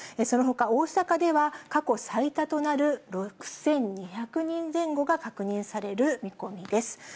そのほか、大阪では過去最多となる６２００人前後が確認される見込みです。